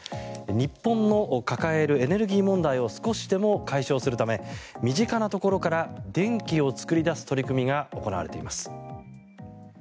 日本の抱えるエネルギー問題を少しでも解消するため身近なところから電気を作り出す取り組みが行われています。